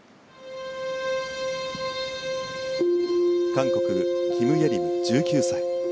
韓国、キム・イェリム、１９歳。